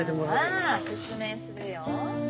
じゃあ説明するよ。